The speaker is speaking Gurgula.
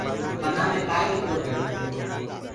پنآ مي ڪآئيٚ لکرو پيڙو تو۔